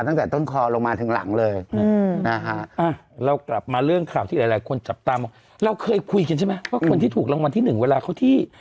แล้วเมื่อเช้าสัมภาพน้องบอกว่าอยากบอกอะไรพี่อเล็กซ์บ้างน้องบอกว่านุรักเขา